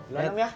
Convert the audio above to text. loan em ya